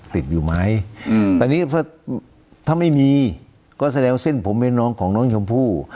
ติดอยู่ไหมอืมแต่นี้เพราะถ้าไม่มีก็แสดงว่าเส้นผมเป็นน้องของน้องชมพู่